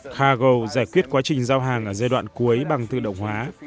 cargo giải quyết quá trình giao hàng ở giai đoạn cuối bằng tự động hóa